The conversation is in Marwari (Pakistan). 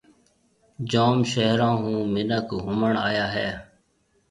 جوم شهرون هون مِنک گُهمڻ آيا هيَ۔